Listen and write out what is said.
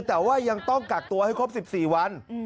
แต่ว่ายังต้องกักตัวให้ครบ๑๔วัน